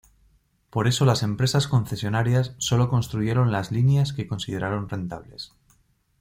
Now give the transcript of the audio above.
Por eso las empresas concesionarias solo construyeron las líneas que consideraron rentables.